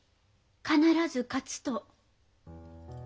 「必ず勝つ」と。